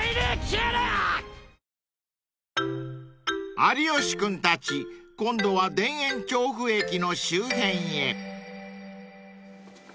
［有吉君たち今度は田園調布駅の周辺へ］